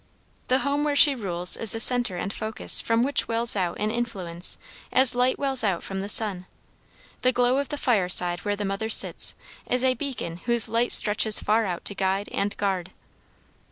The home where she rules is the center and focus from which wells out an influence as light wells out from the sun. The glow of the fireside where the mother sits, is a beacon whose light stretches far out to guide and guard.